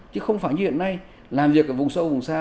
chứ không phải như hiện nay làm việc ở vùng sâu vùng xa